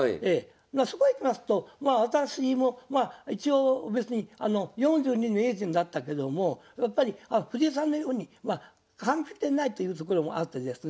そこへきますとまあ私も一応別に４２で名人になったけども藤井さんのようにまあ完璧でないというところもあってですね